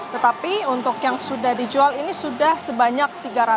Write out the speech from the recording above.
tetapi untuk yang sudah dijual ini sudah sebanyak tiga ratus